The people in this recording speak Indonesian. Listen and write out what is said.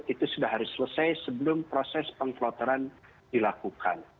itu sudah harus selesai sebelum proses pemloteran dilakukan